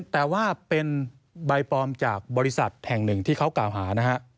แต่ว่าเป็นใบปลอมจากบริษัทแห่งหนึ่งที่เขากล่าวหานะฮะ